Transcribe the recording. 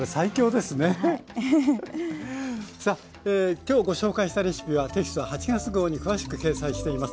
きょうご紹介したレシピはテキスト８月号に詳しく掲載しています。